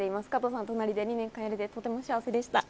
加藤さんの隣で２年間やれて、とても幸せでした。